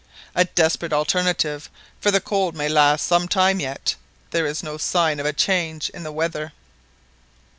A desperate alternative, for the cold may last for some time yet; there is no sign of a change in the weather."